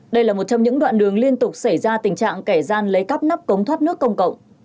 đây là một trong những đoạn đường liên tục xảy ra tình trạng kẻ gian lấy cắp nắp cống thoát nước công cộng